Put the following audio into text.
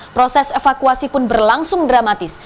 proses evakuasi pun berlangsung dramatis